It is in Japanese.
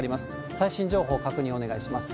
最新情報確認をお願いします。